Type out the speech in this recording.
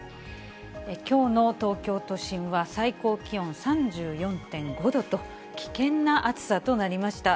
きょうの東京都心は最高気温３４．５度と、危険な暑さとなりました。